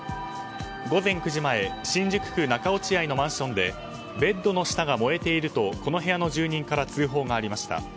午前９時前新宿区中落合のマンションでベッドの下が燃えているとこの部屋の住人から通報がありました。